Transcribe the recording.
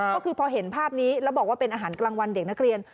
ก็คือพอเห็นภาพนี้แล้วบอกว่าเป็นอาหารกลางวันเด็กนักเรียน